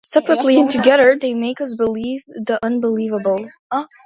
Separately and together, they make us believe the unbelievable.